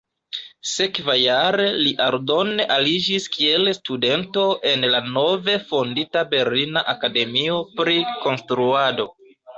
Sekvajare li aldone aliĝis kiel studento en la nove fondita Berlina Akademio pri Konstruado.